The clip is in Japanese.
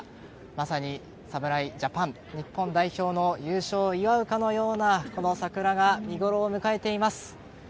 まさに侍ジャパン、日本代表の優勝を祝うかのようなこの桜が見ごろを迎えています。